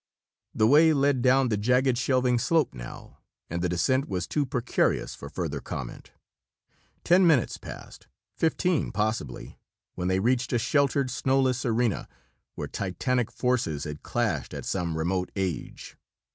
The way led down the jagged, shelving slope, now, and the descent was too precarious for further comment. Ten minutes passed fifteen, possibly when they reached a sheltered, snowless arena where titanic forces had clashed at some remote age.